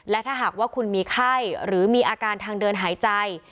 และถ้าหากว่าคุณมีไข้หรือมีอาการทางเดินหายใจ